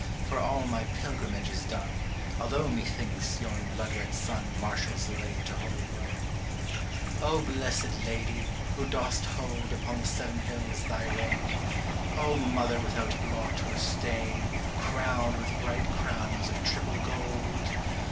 For all my pilgrimage is done, Although, methinks, yon blood red sun Marshals the way to Holy Rome. O Blessed Lady, who dost hold Upon the seven hills thy reign ! Mother without blot or stain, Crowned with bright crowns of triple gold